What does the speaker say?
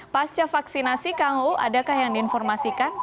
pasca vaksinasi kang uu adakah yang diinformasikan